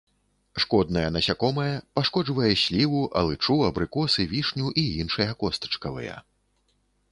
Шкоднае насякомае, пашкоджвае сліву, алычу, абрыкосы, вішню і іншыя костачкавыя.